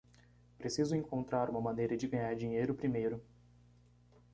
Preciso encontrar uma maneira de ganhar dinheiro primeiro.